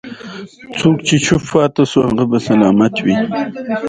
د ټولو علومو او فنونو کي د څېړنو بنسټ پر متونو ولاړ دﺉ.